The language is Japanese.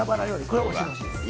これを教えてほしいです